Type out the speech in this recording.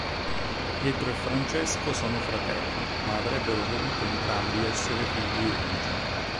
Pietro e Francesco sono fratelli, ma avrebbero voluto entrambi essere figli unici.